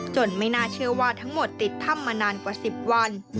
ไม่น่าเชื่อว่าทั้งหมดติดถ้ำมานานกว่า๑๐วัน